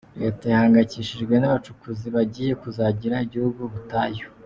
Leta ihangayikishijwe n’abacukuzi bagiye kuzagira igihugu ubutayu.